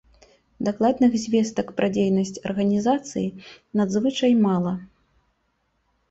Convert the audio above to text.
Дакладных звестак пра дзейнасць арганізацыі надзвычай мала.